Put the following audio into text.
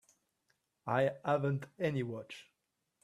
I haven't any watch.